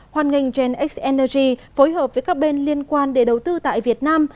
hoàn ngành genx energy phối hợp với các bên liên quan để đầu tư tại việt nam